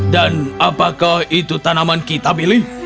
dan apakah itu tanaman kita billy